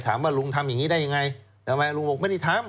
ลุงทำอย่างนี้ได้ยังไงทำไมลุงบอกไม่ได้ทำ